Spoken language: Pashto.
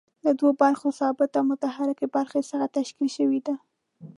له دوو برخو ثابتې او متحرکې برخې څخه تشکیل شوې ده.